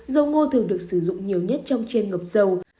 dầu ngô thường được sử dụng nhiều nhất trong chiên ngọc dầu